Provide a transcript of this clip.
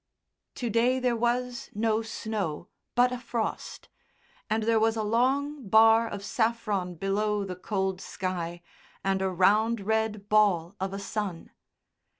To day there was no snow but a frost, and there was a long bar of saffron below the cold sky and a round red ball of a sun.